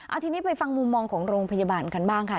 เอาทีนี้ไปฟังมุมมองของโรงพยาบาลกันบ้างค่ะ